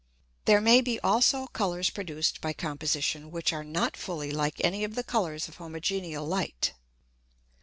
There may be also Colours produced by Composition, which are not fully like any of the Colours of homogeneal Light.